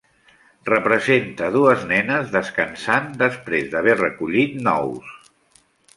Representa dues nenes descansant després d'haver recollit nous.